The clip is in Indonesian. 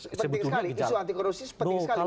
isu anti korupsi sebetulnya sekali